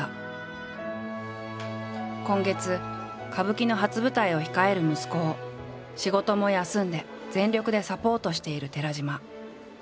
今月歌舞伎の初舞台を控える息子を仕事も休んで全力でサポートしている寺島。